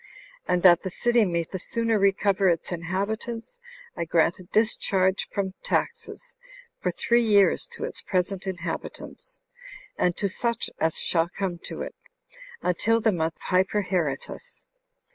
And that the city may the sooner recover its inhabitants, I grant a discharge from taxes for three years to its present inhabitants, and to such as shall come to it, until the month Hyperheretus.